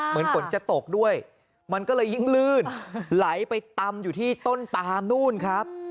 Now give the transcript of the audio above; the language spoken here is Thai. เหมือนฝนจะตกด้วยมันก็เลยยิ่งลื่นไหลไปตำอยู่ที่ต้นปามนู่นครับ